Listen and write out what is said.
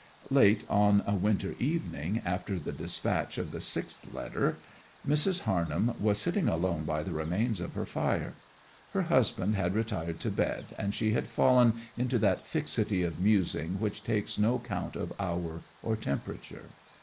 Late on a winter evening, after the dispatch of the sixth letter, Mrs. Harnham was sitting alone by the remains of her fire. Her husband had retired to bed, and she had fallen into that fixity of musing which takes no count of hour or temperature.